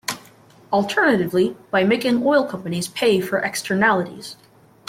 Alternatively, by making oil companies pay for externalities.